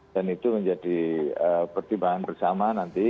dan itu menjadi pertimbangan bersama nanti